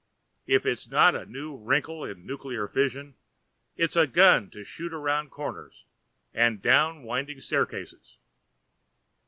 If it's not a new wrinkle in nuclear fission, it's a gun to shoot around corners and down winding staircases.